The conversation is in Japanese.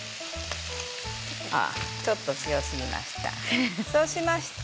ちょっと強すぎました。